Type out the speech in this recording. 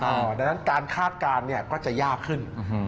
ดังนั้นการคาดการณ์เนี่ยก็จะยากขึ้น